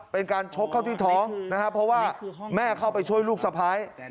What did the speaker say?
เป็นการชกเข้าที่ท้องนะครับเพราะว่าแม่เข้าไปช่วยลูกสะพ้าย